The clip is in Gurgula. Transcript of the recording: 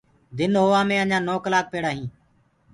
دن هووآ مي اجآنٚ نو ڪلآڪ پيڙي هي